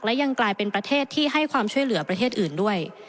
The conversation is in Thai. และยังกลายเป็นประเทศที่ให้ความช่วยเหลือประเทศอื่นด้วย